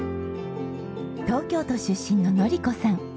東京都出身ののり子さん。